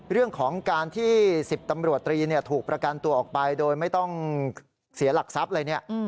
เรื่องของการที่๑๐ตำรวจตรีถูกประกันตัวออกไปโดยไม่ต้องเสียหลักทรัพย์อะไรเนี่ย